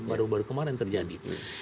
baru baru kemarin terjadi